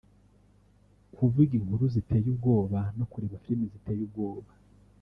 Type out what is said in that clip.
kuvuga inkuru ziteye ubwoba no kureba filime ziteye ubwoba